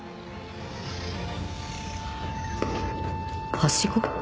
はしご？